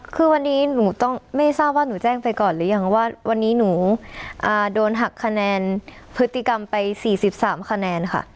คือวันนี้หนูต้องไม่ทราบว่าหนูแจ้งไปก่อนหรือยังว่าวันนี้หนูโดนหักคะแนนพฤติกรรมไป๔๓คะแนนค่ะ